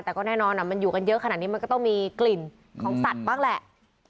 แต่ก็แน่นอนมันอยู่กันเยอะขนาดนี้มันก็ต้องมีกลิ่นของสัตว์บ้างแหละ